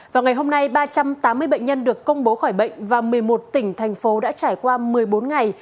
vào ngày hôm nay ba trăm tám mươi bệnh nhân được công bố khỏi bệnh và một mươi một tỉnh thành phố đã trải qua một mươi bốn ngày